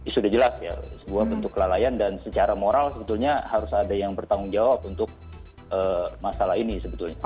sudah jelas ya sebuah bentuk kelalaian dan secara moral sebetulnya harus ada yang bertanggung jawab untuk masalah ini sebetulnya